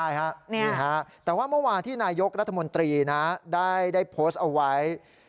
ใช่ฮะนี่ฮะแต่ว่าเมื่อวานที่นายกรัฐมนตรีได้โพสต์เอาไว้